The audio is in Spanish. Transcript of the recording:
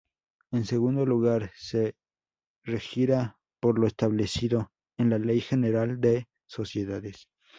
En segundo lugar, se regirá por lo establecido en la Ley General de Sociedades.